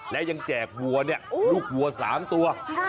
และยังแจกวัวเนี่ยลูกวัว๓ตัว